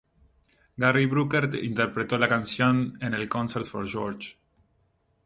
Gary Brooker interpretó la canción en el Concert for George.